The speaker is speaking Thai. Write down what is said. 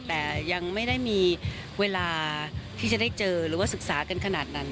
แต่ยังไม่ได้มีเวลาที่จะได้เจอหรือว่าศึกษากันขนาดนั้น